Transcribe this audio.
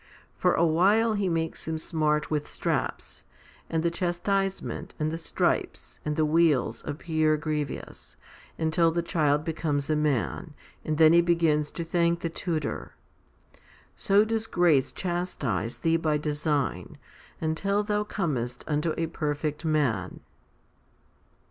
For a while he makes him smart with straps ; and the chastisement, and the stripes, and the weals appear grievous, until the child becomes a man, and then he begins to thank the tutor. So does grace chastise thee by design, until thou comest unto a perfect man.